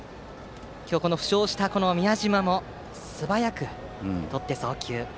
今日、負傷した宮嶋も素早くとって送球。